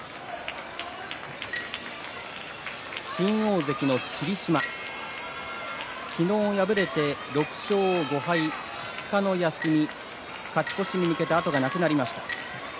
新大関の霧島、昨日敗れて６勝５敗２日の休み勝ち越しに向けて後がなくなりました。